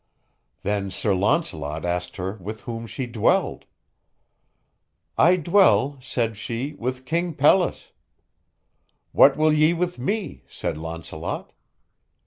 Then Sir Launcelot asked her with whom she dwelled. I dwell, said she, with King Pelles. What will ye with me? said Launcelot.